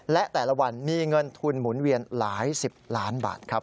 และแต่ละวันมีเงินทุนหมุนเวียนหลายสิบล้านบาทครับ